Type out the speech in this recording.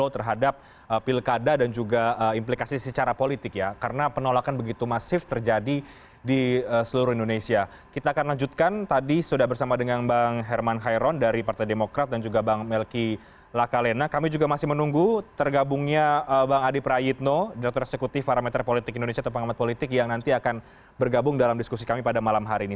terima kasih banyak bang adi prayitno direktur eksekutif parameter politik indonesia atau pengamat politik yang nanti akan bergabung dalam diskusi kami pada malam hari ini